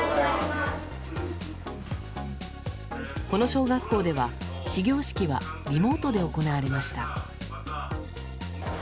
この小学校では始業式はリモートで行われました。